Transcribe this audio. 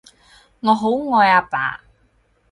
我好愛阿爸